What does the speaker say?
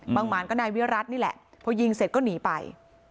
หมานก็นายวิรัตินี่แหละพอยิงเสร็จก็หนีไป